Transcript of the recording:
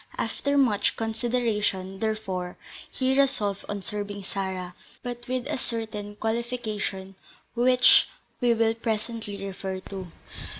After much consideration, therefore, he resolved on serving Sarah, but with a certain qualification, which we will presently refer to.